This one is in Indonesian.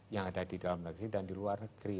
yang ada didalam negeri dan diluar negeri